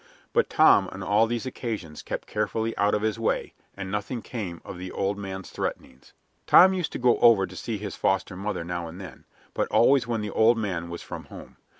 But Tom on all these occasions kept carefully out of his way, and nothing came of the old man's threatenings. Tom used to go over to see his foster mother now and then, but always when the old man was from home.